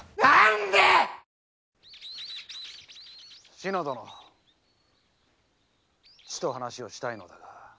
志乃殿ちと話をしたいのだが。